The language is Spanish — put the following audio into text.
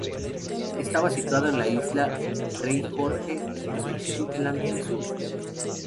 Estaba situado en la isla Rey Jorge, de las Shetland del Sur.